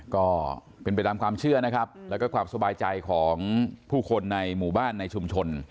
ก็เป็นเป็นประจำความเชื่อและความสบายใจของผู้คนในหมู่บ้านในชุมชน